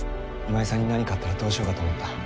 今井さんに何かあったらどうしようかと思った。